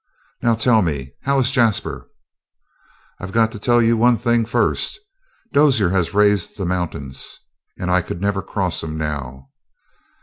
"Now, tell me, how is Jasper?" "I've got to tell you one thing first. Dozier has raised the mountains, and I could never cross 'em now."